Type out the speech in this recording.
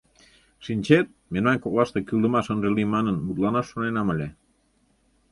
Шинчет, мемнан коклаште кӱлдымаш ынже лий манын, мутланаш шоненам ыле.